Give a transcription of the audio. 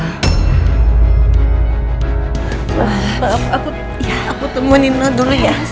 maaf aku temuan nino dulu ya